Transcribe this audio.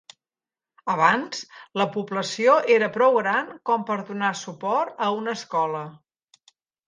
Abans, la població era prou gran com per donar suport a una escola.